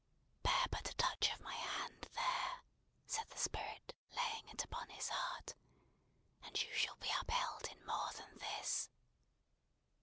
"Bear but a touch of my hand there," said the Spirit, laying it upon his heart, "and you shall be upheld in more than this!"